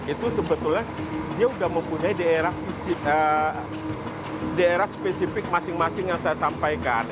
itu sebetulnya dia sudah mempunyai daerah spesifik masing masing yang saya sampaikan